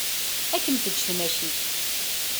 Ad kem-teǧǧ tmacint.